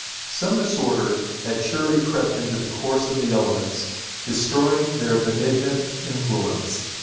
Some disorder had surely crept into the course of the elements, destroying their benignant influence.